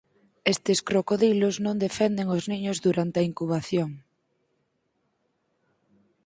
Estes crocodilos non defenden os niños durante a incubación.